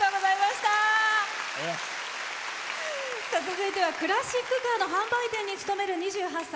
続いてはクラシックカーの販売店に勤める２８歳。